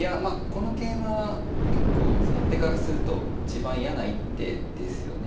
この桂馬は結構先手からすると一番嫌な一手ですよね。